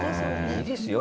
いいですよ